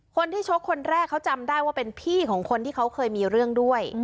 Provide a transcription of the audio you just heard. ชกคนแรกเขาจำได้ว่าเป็นพี่ของคนที่เขาเคยมีเรื่องด้วย